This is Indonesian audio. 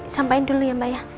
sampaikan dulu ya mbak ya